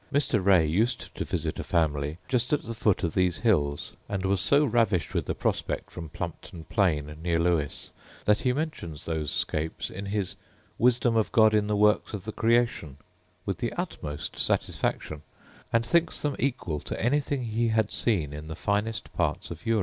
Mr. Ray used to visit a family* just at the foot of these hips, and was so ravished with the prospect from Plumpton plain near Lewes, that he mentions those scopes in his Wisdom of God in the Works of the Creation with the utmost satisfaction, and thinks them equal to anything he had seen in the finest parts of Europe.